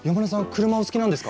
車お好きなんですか？